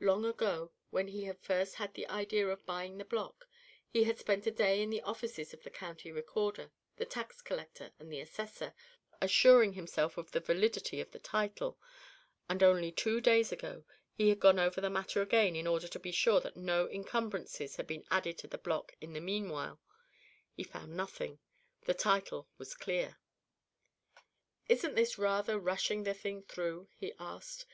Long ago, when he had first had the idea of buying the block, he had spent a day in the offices of the county recorder, the tax collector, and the assessor, assuring himself of the validity of the title, and only two days ago he had gone over the matter again in order to be sure that no encumbrances had been added to the block in the meanwhile. He found nothing; the title was clear. "Isn't this rather rushing the thing through?" he asked.